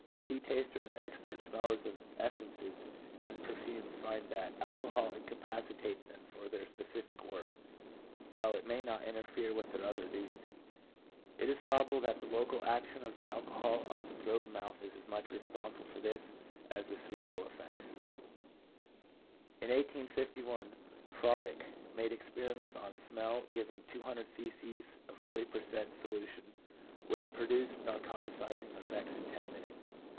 Tea tasters and expert smellers of essences and perfumes find that alcohol incapacitates them for their specific work, while it may not interfere with their other duties. 1 It is probable that the local action of the alcohol on the throat and mouth is as much responsible for this as the cerebral effects. In 185 1, Frohlich made experiments on smell giving 200 cc. of a forty per cent, solution, which produced narcotizing effects in ten minutes.